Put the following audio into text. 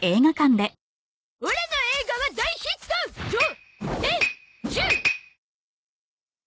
オラの映画は大ヒット